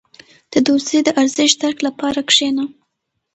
• د دوستۍ د ارزښت درک لپاره کښېنه.